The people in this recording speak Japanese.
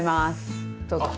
どうぞ！